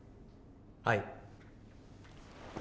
はい。